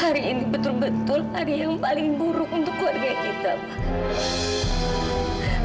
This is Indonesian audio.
hari ini betul betul hari yang paling buruk untuk keluarga kita pak